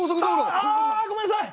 あああごめんなさい！